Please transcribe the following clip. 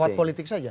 sahabat politik saja